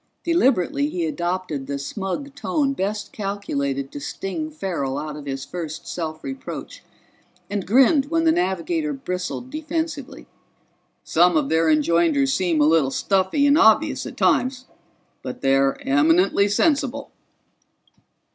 Deliberately he adopted the smug tone best calculated to sting Farrell out of his first self reproach, and grinned when the navigator bristled defensively. "Some of their enjoinders seem a little stuffy and obvious at times, but they're eminently sensible."